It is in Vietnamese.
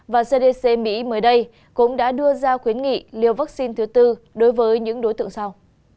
và cdc mỹ mới đây cũng đã đưa ra khuyến nghị liều vaccine thứ tư đối với những đối tượng sau